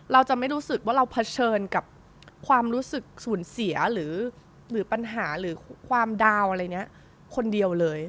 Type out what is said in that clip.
เราจะไม่รู้สึกว่าเราเผชิญกับความรู้สึกสูญเสียหรือปัญหาหรือความดาวน์อะไรนี้คนเดียวเลย